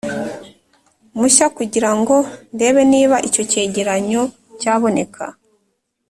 mushya kugira ngo ndebe niba icyo cyegeranyo cyaboneka.